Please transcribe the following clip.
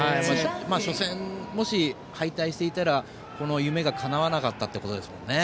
初戦、もし敗退していたらこの夢がかなわなかったっていうことですよね。